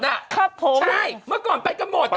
เนอะไกลเนอะ